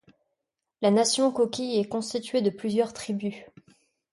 La nation coquille est constituée de plusieurs tribus.